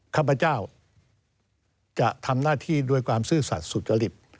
ข้าพเจ้าจะทำหน้าที่ด้วยความซื่อสัตว์สุจริต